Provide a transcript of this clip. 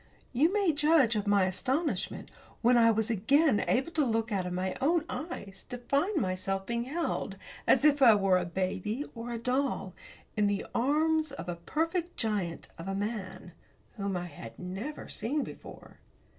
You may judge of my astonishment when I was again able to look out of my own eyes, to find myself being held, as if I were a baby, or a doll, in the arms of a perfect giant of a man, whom I had never seen before.